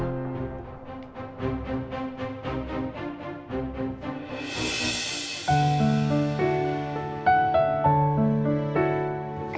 j cooperating humananya